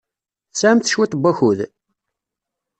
Tesɛamt cwiṭ n wakud?